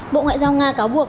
bộ ngoại giao nga cáo buộc